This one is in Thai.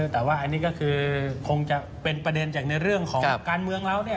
แต่ว่าอันนี้ก็คือคงจะเป็นประเด็นจากในเรื่องของการเมืองเราเนี่ย